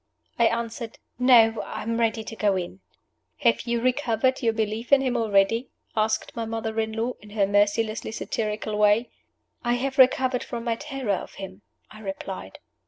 I answered, "No; I am ready to go in." "Have you recovered your belief in him already?" asked my mother in law, in her mercilessly satirical way. "I have recovered from my terror of him," I replied.